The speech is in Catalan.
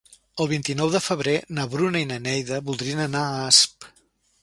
El vint-i-nou de febrer na Bruna i na Neida voldrien anar a Asp.